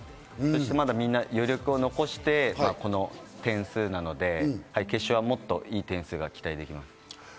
そしてみんな、まだ余力を残してこの点数なので、決勝はもっと良い点数が期待できます。